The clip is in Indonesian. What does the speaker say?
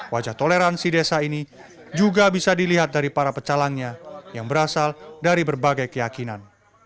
wajah toleransi desa ini juga bisa dilihat dari para pecalangnya yang berasal dari berbagai keyakinan